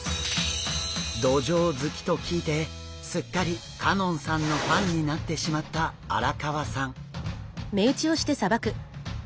ドジョウ好きと聞いてすっかり香音さんのファンになってしまった荒川さん。